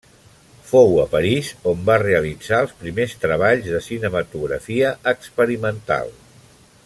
Fou a París on va realitzar els primers treballs de cinematografia experimental.